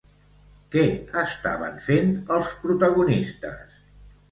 Què estaven fent els protagonistes?